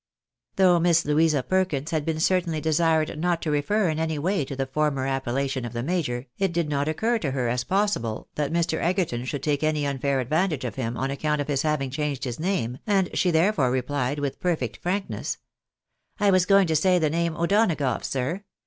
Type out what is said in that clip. Though Miss Louisa Perkins had been certainly desired not to refer in any way to the former ajopellation of the major, it did not occur to her as possible that Mr. Egerton should take any unfair advantage of him on account of his having changed his name, and she therefore replied with perfect frankness —" I was going to say the name O'Donagough, sir.